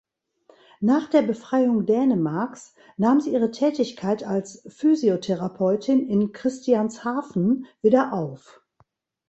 Nach der Befreiung Dänemarks nahm sie ihre Tätigkeit als Physiotherapeutin in Christianshavn wieder auf.